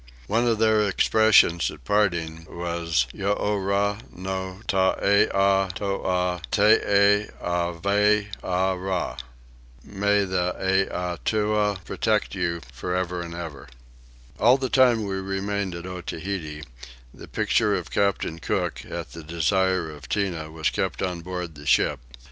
One of their expressions at parting was "Yourah no t' Eatua tee eveerah." "May the Eatua protect you, for ever and ever." All the time we remained at Otaheite the picture of Captain Cook, at the desire of Tinah, was kept on board the ship.